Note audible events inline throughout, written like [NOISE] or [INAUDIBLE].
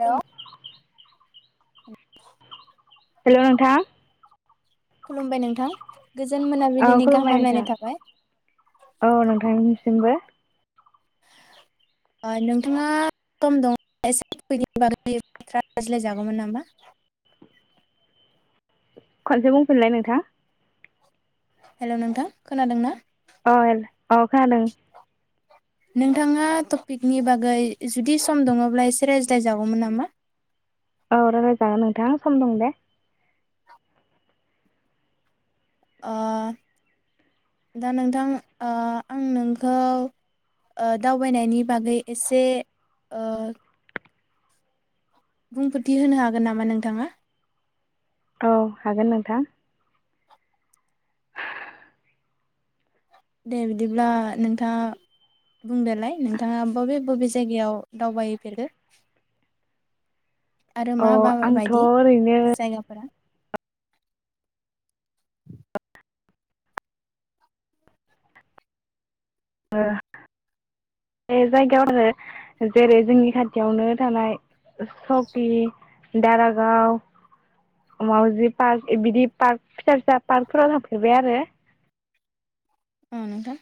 हेल हेल नोंथां खुलुमबाय नोंथां गोजोन औ मोनाबिलिनि गाहाम खुलुमबाय हामलायनाय थाबाय नोंथां औ नोंथांनि जोंबो नोंथाङा खम दं एसेनि बागै रायज्लायजागौमोन नामा? खनसे बुंफिनलाय नोंथां हेलौ नोंथां खोनादोंना? अइल अ खोनादों। नोंथाङा टपिकनि बागै जुदि सम दङब्ला एसे रायज्लायजागौमोन नामा? औ रायजलायजागोन नोंथां सम दं दे। ओ दा नोंथां ओ आं नोंखौ ओ दावबायनायनि बागै एसे ओ बुंफोरथि होनो हागोन नामा नोंथाङा? औ हागोन नोंथां। दे बिदिब्ला नोंथाङा बुंदोलाय नोंथाङा बबे बबे जायगायाव दावबायफेरगो? आरो औ मा बा आंथ' बायदि ओरैनो जायगाफोराव? ओ बे जायगायाव आरो जेरै जोंनि खाथियावनो थानाय सकि दारागाव मावउजि पार्क बिदि पार्क फिसा फिसा पार्कफोराव थांफेरबाय आरो। औ नोंथां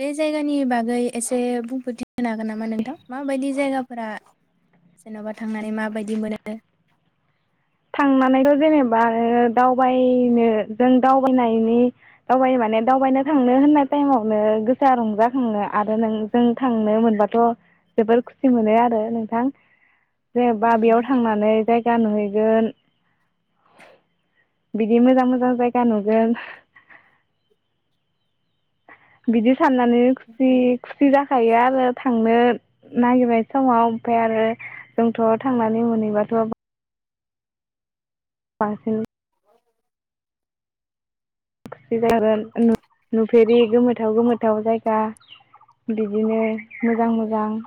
बे जायगानि बागै एसे बुंफोरथि होनो हागोन नामा नोंथां? माबायदि जायगा फोरा जेनबा थांनानै माबायदि मोनो? थांनानैथ' जेनेबा ओ दावबायनो जों दावबायनायनि दावबायो माने दावबायनो थांनो होननाय टाइमावनो गोसोआ रंजाखाङो आरो नों जों थांनो मोनबाथ' जोबोर खुसि मोनो आरो नोंथां। जेनेबा औ बेयाव नोंथां थांनानै जाय गा नुहै गोन, बिदि मोजां मोजां जायगा नुगोन। बिदि साननानै खुसि खुसि जा खायो आरो थांनो नागिरनाय समाव ओमफाय आरो जों थ थांनानै मोनैबाथ' बांसिन [INAUDIBLE] खुसि जागोन नुफेरि गोमोथाव गोमोथाव जायगा बिदिनो मोजां मोजां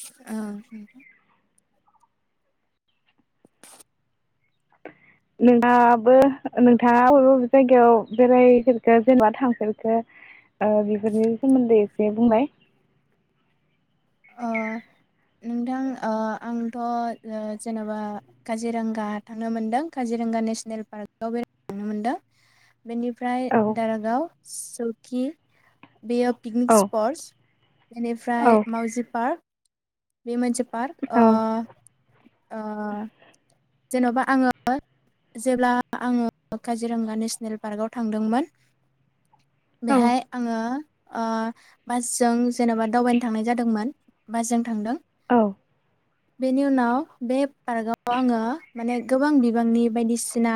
औ नोंहाबो नोंथाङा अबे अबे जायगायाव बेरायफेरखो जेनेबा थांफेरखो ओ बेफोरनि सोमोन्दै एसे बुंलाय। अ नोंथां ओ आंथ' ओ जेनेबा काजिरोंगा थांनो मोनदों काजिरोंगा नेसनेल पार्कआव बेरायनो थांनो मोनदों। बेनिफ्राय औ दारागाव सौकि बेयो औ पिकनिक स्परस। औ बेनिफ्राय माउजि पार्क। बे मोनसे पार्क ओ औ ओ जेनबा आङो जेब्ला आङो काजिरोंगा नेसनेल पार्कआव थांदोंमोन औ बेहाय आङो ओ बासजों जेनेबा दावबायनो थांनाय जादोंमोन। बासजों थांदों। औ बेनि उनाव बे पार्कआव आङो माने गोबां बिबांनि बायदिसिना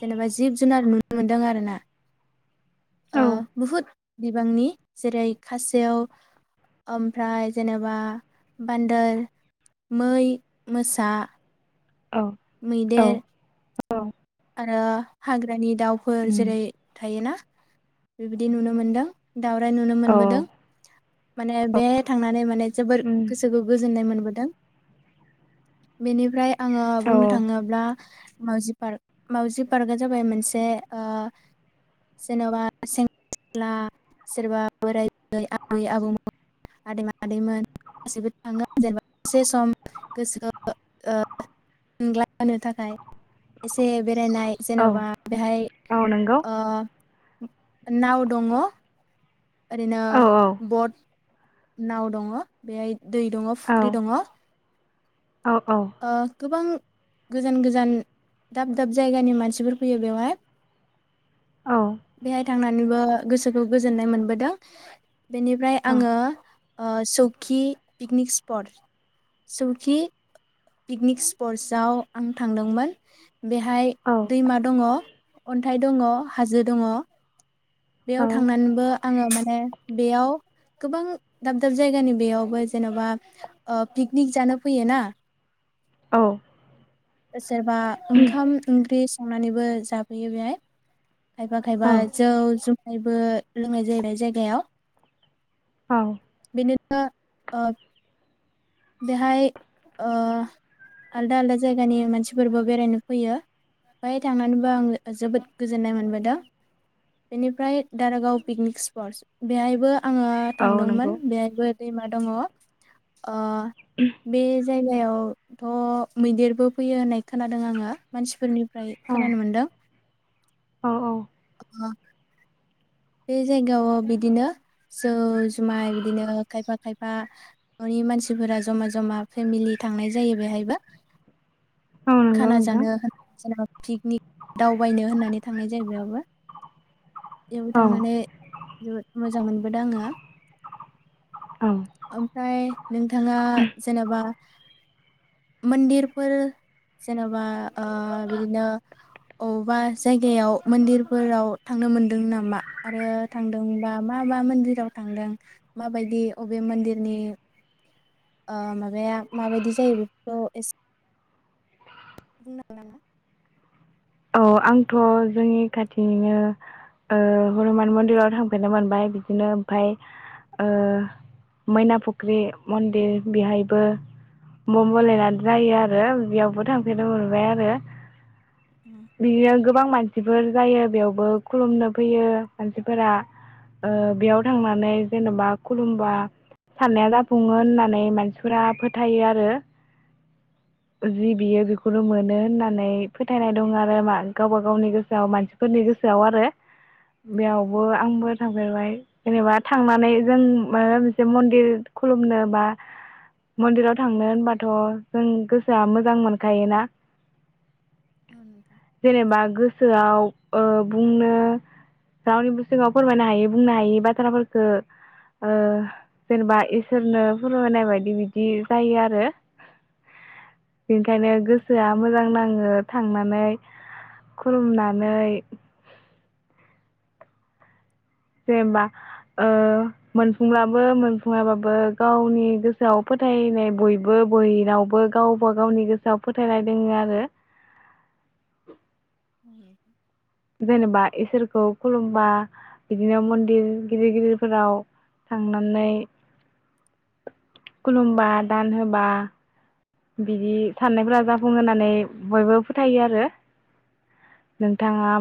जेनेबा जिब जुनार नुनो मोनदों आरोना औ ओह बुहुद बिबांनि जेरै खासेव ओमफ्राय जेनेबा बान्दोर, मै, मोसा। औ औ मैदेर। औ आरो हाग्रानि दाउफोर उम जेरै थायोना। बेबायदि नुनो मोनदों। दावराय नुनो औ मोनबोदों माने बेहाय थांनानै माने जोबोर उम गोसोखौ गोजोननाय मोनबो दों बेनिफ्राय आङो औ बुंनो थाङोब्ला माउजि पार्क। मावाउजि पार्कआ जाबाय मोनसे ओह जेनेबा सें [INAUDIBLE] ग्रा सोरबा बोराय आबै आबौमोन आदै मादैमोन गासैबो थाङो जेनेबा [INAUDIBLE] से सम गोसोखौ ओह ग्लाय होनो थाखाय [UNINTELLIGIBLE] दे बेरायनाय औ जेनबा बेहाय औ नंगौ अ नाव दङ ओरैनो औ औ बत नाव दङ बे दै दङ औ फुख्रि दङ औ औ ओ गोबां। गोजान गोजान दाब दाब जायगानि मानसिफोर फैयो बेवहाय । औ बे थांनानैबो गोसोखौ गोजोननाय मोनबोदों । बेनिफ्राय आङो ओ सौखि पिकनिक स्पत सौखि पिकनिक स्पर्साव आं थांदोंमोन। बेहाय दैमा दङ । अन्थाइ दङ हाजो दङ। बेयाव औ थांनानबो आङो मो ने बेयाव गोबां दाब दाब जायगानि बेयावबो जेनबा ओह पिकनिक जानो फैयो ना औ सोरबा ओंखाम ओंख्रि संनानैबो जाफैयो बेयाय खायफा खायबा जौ जु बो लोंनाय जाहैबाय जायगायाव औ [UNINTELLIGIBLE] बेहाय ओह आलदा आलदा जायगानि मानसिफोरबो बेरायनो फैयो बेहाय थांनानैबो आङो जोबोद गोजोननाय मोनबोदों बेनिफ्राय दारागाव पिकनिक स्पर्स बेहायबो आङो औ थांदोंमोन नंगौ बेबो दैमा दङो। ओ बे जायगायावथ मैदेरबो फैयो होननाय खोनादों आङो मानसिफोरनि फ्राय औ खोनानो मोनदों। औ [INAUDIBLE] बे जायगायाव बिदिनो जौ जुमाय बिदिनो खायफा खायफा ननि मानसिफोरा जमा जमा फेमिलि थांनाय जायो बेहायबो औ नंगौ खाना नोंथां जानो होन जेनबा पिकनिक दावबायनो होननानै थांनाय जायो बेयावबो । थार औ माने जोबोद मोजां मोनबोदों आङो । औ ओमफ्राय नोंथाङा जेनोबा मोन्दिरफोर जेनबा ओ बिदिनो अबा जायगायाव मोन्दिरफोराव थांनो मोनदों नामा? आरो थांदोंबा मा मा मोन्दिराव थांदों मा बायदि अबे मोन्दिरनि ओ माबाया मा बायदि जायो बेखौ एसे बुंनो [UNINTELLIGIBLE] गोन नामा? ओउ आंथ जोंनि खाथिनिनो ओ हनुमान मन्दिराव थांफेरनो मोनबाय बिदिनो ओमफाय ओ मैनापुख्रि मन्दिर बेहायबो म बलेनाथ जायो आरो बेयावबो थांफेरनो मोनबाय आरो। बियाव गोबां मानसिफोर जायो बेयावबो खुलुमनो फैयो मानसिफोरा ओ बेयाव थांनानै जेनबा खुलुमबा साननाया जाफुङो होननानै मानसिफोरा फोथायो आरो जि बियो बेखौल मोनो होननानै फोथायनाय दं आरो मा गावबा गावनि गोसोआव मानसिफोरनि गोसोआव आरो। औ बेयावबो आंबो थां बेवहाय जेनेबा थांनानै जों माबा मोनसे मन्दिर खुलुमनो बा मन्दिराव थांनो होनबाथ जों गोसोआ मोजां मोनखायोना। औ नोंथां जेनेबा गोसोआव ओउ बुंनो रावनिबो सिगाङावबो फोरमायनो हायै बुंनो हायै बाथ्राफोरखौ ओ जेनेबा इसोरनो फोरमायनाय बायदि बिदि जायो आरो। बेनिखायनो औ नोंथां गोसोआ मोजां नाङो। थांनानै खुलुमनानै। जेनबा ओ मोनफुंब्लाबो मोनफुङाबाबो गावनि गोसोआव फोथायनाय बयबो बयनावबो गावबा गावनि गोसोआव फोथायलायदों आरो। जेनेबा इसोरखौ खुलुमबा बिदिनो मन्दिर गिदिर गिदिरफोराव थांनानै खुलुमबा दान होबा। बिदि साननायफ्रा जाफुंङो होननानै बयबो फोथायो आरो नोंथाङा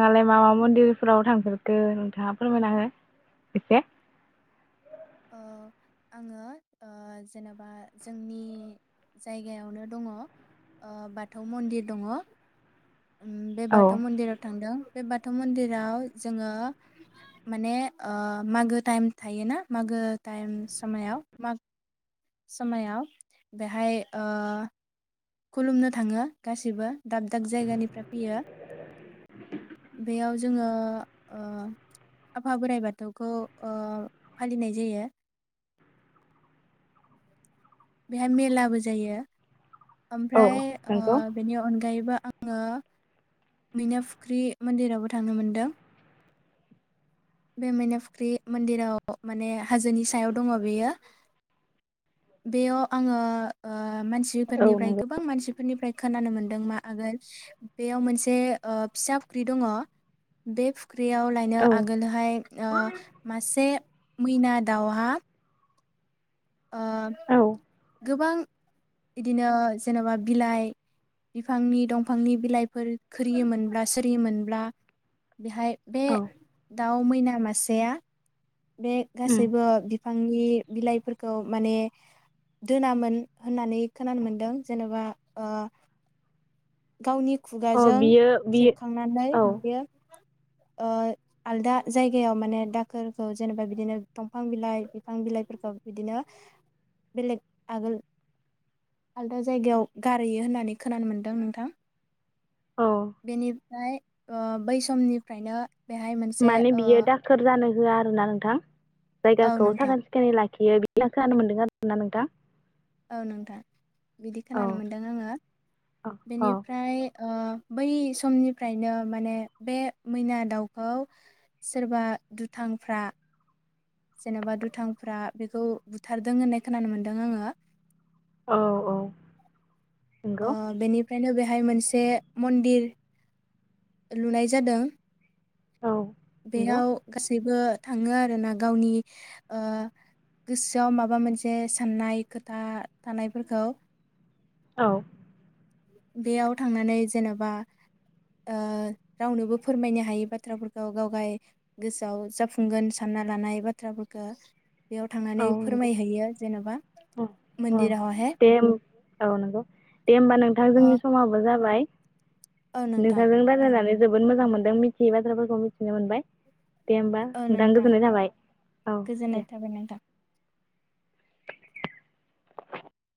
औ मा मा मन्दिरफोराव थांफेर खो नोंथाङा फोरमायना हो एसे ओ आङो ओ जेनेबा जोंनि जायगायावनो दङो ओ बाथौ मन्दिर दङो । उम बे औ बाथौ मन्दिराव थांदों। बे बाथौ मन्दिराव जोङो माने ओ मागो टाइम थायोना। मागो टाइम समायाव माग समायाव बेहाय ओ खुलुमनो थाङो गासिबो दाब दाब जायगानिफ्राय फैयो बेयाव जोङो ओ आफा बोराइ बाथौखौ ओ फालिनाय जायो। बेहाय मेलाबो जायो। औ ओमफ्राय ओ नंगौ बेनि अनगायैबो आङो मैना फुख्रि मोन्दिरावबो थांनो मोनदों। बे मैना फुख्रि मोन्दिराव माने हाजोनि सायाव दङो बेयो। बेयाव आङो ओ ओ औ मानसिफोरनिफ्राय नंगौ गोबां मानसिफोरनिफ्राय खोनानो मोन [UNINTELLIGIBLE] बेयाव मोनसे ओ फिसा फुख्रि दङ बे ख्रियाव लायनो औ आगोलहाय ओ मासे मैना दावहा ओ औ गोबां। इदिनो जेनेबा बिलाइ बिफांनि दंफांनि बिलाइफोर खिरियोमोनब्ला सोरिरियोमोनब्ला बेहाय बे औ दाउ मैना मासेया बे उम गासैबो बि फांनि बिलाइफोरखौ माने दोनामोन होननानै खोनानो मोनदों जेनेबा ओ गावनि अ खुगाजों बियो बियो खेबखांनानै औ बेयो ओ आलदा जायगायाव माने दाखोरखौ जेनेबा बिदिनो दंफां बिलाय बिफां बिलायफोरखौ बिदिनो बेलेग आगोल आलदा जायगायाव गारहैयो होन्नानै खोनानो मोन्दों नोंथां [UNINTELLIGIBLE] औ बेनि फ्राय ओ बै समनिफ्रायनो बेहाय मोनसे माने ओ बियो दाखोर जानो होआ आरो ना नोंथां। औ जायगाखौ नोंथां साखोन सिखोन लाखि खियो बि खोनानो नो मोन्दों आरो ना नोंथां। औ नोंथां। बिदि औ खोनानो मोन्दों आङो। औ औ बेनिफ्राय ओ बै समनिफ्रायनो माने बे मैना दाउखौ सोरबा दुथांफ्रा जेनबा दुथांफ्रा बेखौ बुथारदों होन्नाय खोनानो मोन्दों आङो। औ औ। ओ नंगौ बेनिफ्रायनो बे बेहाय मोनसे मन्दिर लुनाय जादों। औ नंगौ बेयाव गासैबो थाङो आरो ना गावनि ओ गोसोआव माबा मोनसे सान्नाय खोथा थानायफोरखौ औ। बेयाव थांनानै जेनबा ओ रावनोबो ओ फोरमायनो हायि बाथ्राफोरखौ गावगाय गोसोआव जाफुंगोन सान्ना लानाय बाथ्राफोरखो औ नोंगौ अ अ मन्दिरावहाय दे औ नोंगौ दे होमबा नों दा ओ जोंनि समाबो जाबाय औ नोंथां नोंथांजों दे रायलालनानै जोबो जोबोद मोजां मोन्दों मिथियै बाथ्राफोरखौ मिथिनो मोनबाय। दे होमबा नोंथां गोजोन्नाय जाबाय औ गोजोननाय दे। थाबाय नोंथां।